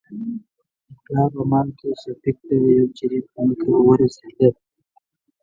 د پلار په مال کې شفيق ته يو جرېب ځمکه ورسېده.